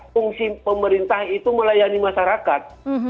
fungsi pemerintah itu melayani masyarakat